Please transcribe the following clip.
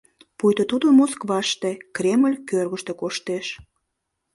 Пуйто тудо Москваште, Кремль кӧргыштӧ коштеш.